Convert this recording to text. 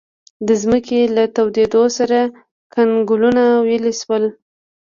د ځمکې له تودېدو سره کنګلونه ویلې شول.